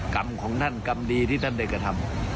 กรรมของท่านกรรมดีที่ท่านได้กระทำ